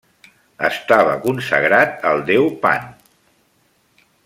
Estava consagrat al deu Pan.